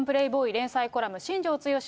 連載コラム、新庄剛志